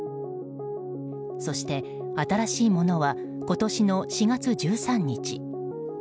そして、新しいものは今年の４月１３日。